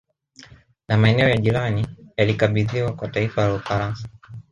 Na maeneo ya jirani yalikabidhiwa kwa taifa la Ufaransa